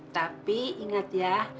tapi ingat ya